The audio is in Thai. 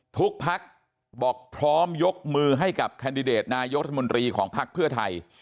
ทุกพักบอกพร้อมยกมือให้กับนายุธมนตรีของพักเพื่อไทย